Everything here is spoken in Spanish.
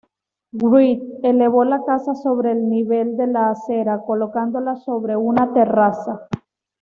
Wright elevó la casa sobre el nivel de la acera, colocándola sobre una terraza.